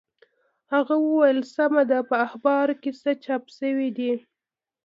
هغه وویل سمه ده په اخبارو کې څه چاپ شوي دي.